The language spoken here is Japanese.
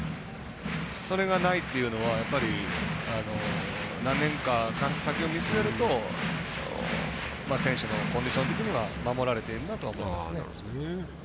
それがないというのは何年か先を見据えると選手のコンディション的には守られているなと思いますね。